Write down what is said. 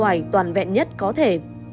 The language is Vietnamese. ra ngoài toàn vẹn nhất có thể